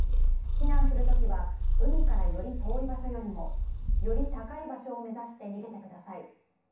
避難するときは、海からより遠い場所よりもより高い場所を目指して逃げてください。